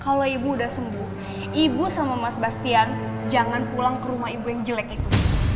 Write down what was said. kalau ibu udah sembuh ibu sama mas bastian jangan pulang ke rumah ibu yang jelek itu